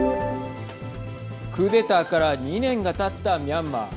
クーデターから２年がたったミャンマー。